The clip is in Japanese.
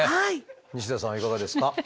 西田さんはいかがですか？